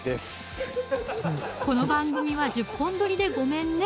この番組は１０本撮りでごめんね